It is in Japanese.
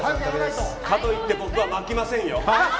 かといって僕は巻きませんよ。